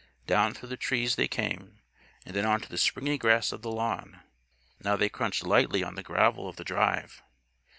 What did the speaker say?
Down through the trees they came, and then onto the springy grass of the lawn. Now they crunched lightly on the gravel of the drive.